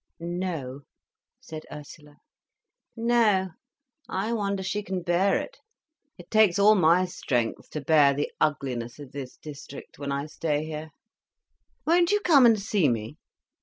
"No," said Ursula. "No, I wonder she can bear it. It takes all my strength, to bear the ugliness of this district, when I stay here. Won't you come and see me?